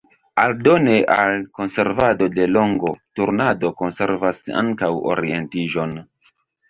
Aldone al konservado de longo, turnado konservas ankaŭ orientiĝon.